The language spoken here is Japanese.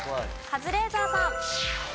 カズレーザーさん。